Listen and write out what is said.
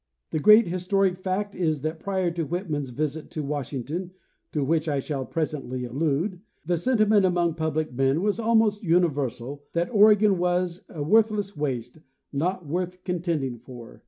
The great historic fact is that prior to Whitman's visit to Washington (to which I shall presently allude) the sentiment among public men was almost universal that Oregon was a worthless waste, not worth contending for.